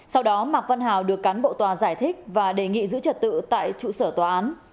sau đó mạc văn hào được cán bộ tòa giải thích và đề nghị giữ trật tự tại trụ sở tòa án